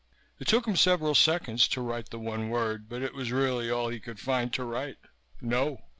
It took him several seconds to write the one word, but it was really all he could find to write. _No.